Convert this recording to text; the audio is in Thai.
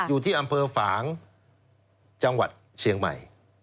อยู่ที่อำเภอฝางจังหวัดเชียงใหม่